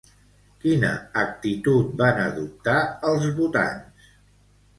Quina actitud van adoptar els votants?